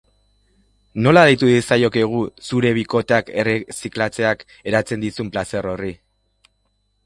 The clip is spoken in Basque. Nola deitu diezaiokegu zure bikoteak erreziklatzeak eratzen dizun plazer horri?